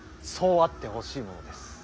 そうあってほしいものです。